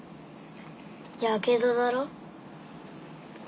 やけどだろ？